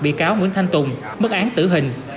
bị cáo nguyễn thanh tùng mất án tử hình